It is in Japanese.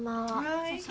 はい。